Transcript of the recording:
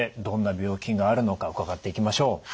どんな病気があるのか伺っていきましょう。